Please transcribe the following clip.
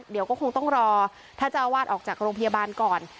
เดี๋ยวก็คงต้องรอท่านเจ้าอาวาสออกจากโรงพยาบาลก่อน